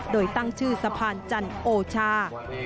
โดยตั้งชื่อสะพานจันโอชา